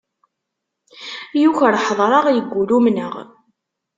Yuker ḥedṛeɣ, yeggul umneɣ.